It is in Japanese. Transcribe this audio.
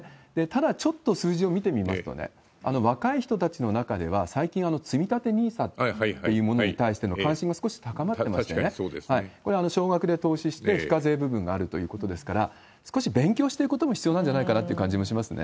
ただ、ちょっと数字を見てみますと、若い人たちの中では最近、積み立てＮＩＳＡっていうものに対しての関心が少し高まってましてね、これ、少額で投資して非課税部分があるということですから、少し勉強していくことも必要なんじゃないかなという感じもします